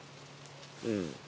うん。